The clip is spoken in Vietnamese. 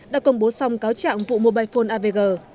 đã công bố xong cáo trạng vụ mobile phone avg